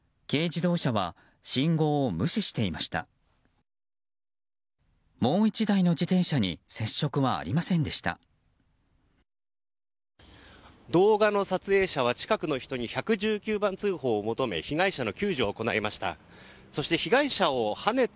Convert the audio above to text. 動画の撮影者は近くの人に１１９番通報を求め被害者の救助を行いました。